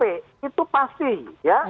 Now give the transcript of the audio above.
itu pasti ya